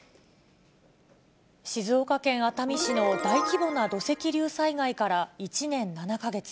静岡県熱海市の大規模な土石流災害から１年７か月。